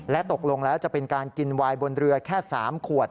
ตกลงแล้วจะเป็นการกินวายบนเรือแค่๓ขวด